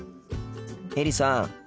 エリさん